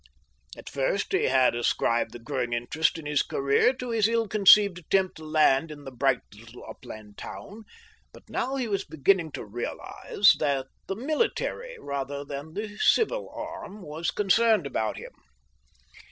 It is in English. At first he had ascribed the growing interest in his career to his ill conceived attempt to land in the bright little upland town, but now he was beginning to realise that the military rather than the civil arm was concerned about him.